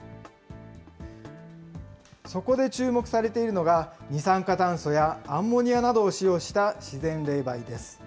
そこで注目されているのが、二酸化炭素やアンモニアなどを使用した自然冷媒です。